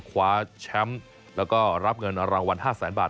คว้าแชมป์แล้วก็รับเงินรางวัล๕แสนบาท